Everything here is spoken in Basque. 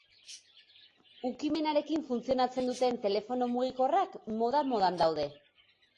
Ukimenarekin funtzionatzen duten telefono mugikorrak moda-modan daude.